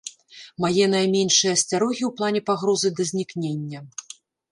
Мае найменшыя асцярогі ў плане пагрозы да знікнення.